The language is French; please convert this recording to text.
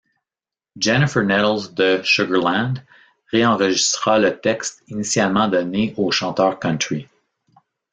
Jennifer Nettles de Sugarland réenregistra le texte initialement donné au chanteur country.